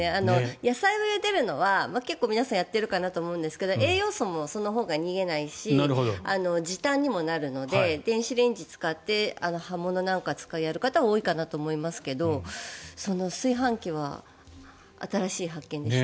野菜をゆでるのは結構皆さんやっているかなと思いますが栄養素もそのほうが逃げないし時短にもなるので電子レンジを使って葉物なんかはやる方は多いと思いますが炊飯器は新しい発見でした。